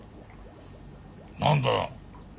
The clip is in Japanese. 何だよ。